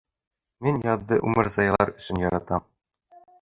Мин яҙҙы умырзаялар өсөн яратам